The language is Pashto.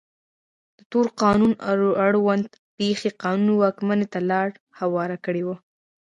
د تور قانون اړوند پېښې قانون واکمنۍ ته لار هواره کړې وه.